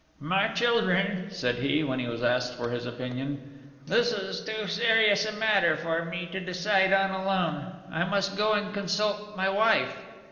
"My children," said he, when he was asked for his opinion, "this is too serious a matter for me to decide on alone. I must go and consult my wife."